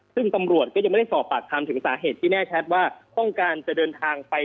ซึ่งตำรวจก็ยังไม่ได้สอบปากคำถึงสาเหตุที่แน่ชัดว่าต้องการจะเดินทางไป